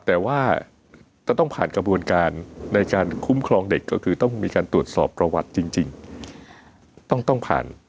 แต่ว่าจะต้องผ่านกระบวนการในการคุ้มครองเด็กก็คือต้องมีการตรวจสอบประวัติจริงต้องผ่าน